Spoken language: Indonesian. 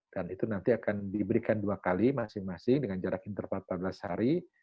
dan itu nanti akan diberikan dua kali masing masing dengan jarak interval empat belas hari